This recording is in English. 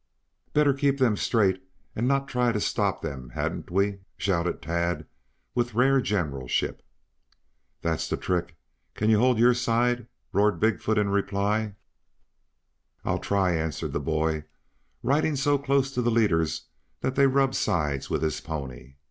"Better keep them straight and not try to stop them, hadn't we?" shouted Tad, with rare generalship. "That's the trick! Can you hold your side?" roared Big foot in reply. "I'll try," answered the boy, riding so close to the leaders that they rubbed sides with his pony.